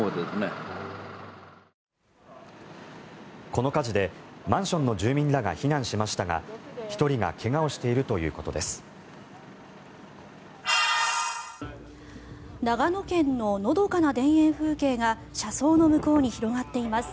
この火事でマンションの住民らが避難しましたが１人が怪我をしているということです。